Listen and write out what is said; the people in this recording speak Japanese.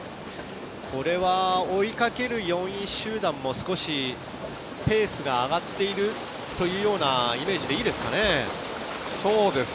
追いかける４位集団も少しペースが上がっているというようなイメージでいいですかね。